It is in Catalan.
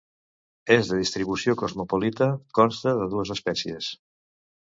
És de distribució cosmopolita, consta de dues espècies.